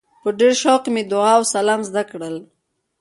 په ډېر شوق مې دعا او سلام زده کړل.